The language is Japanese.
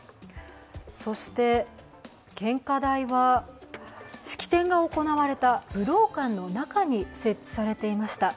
そして、献花台は式典が行われた武道館の中に設置されていました。